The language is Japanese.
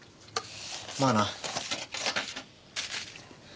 まあな。